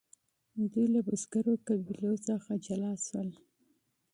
دوی له بزګرو قبیلو څخه بیل شول.